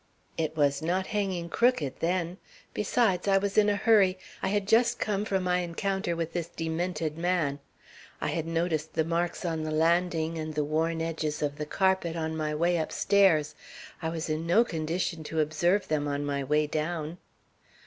"It was not hanging crooked then. Besides I was in a hurry. I had just come from my encounter with this demented man. I had noticed the marks on the landing, and the worn edges of the carpet, on my way upstairs. I was in no condition to observe them on my way down."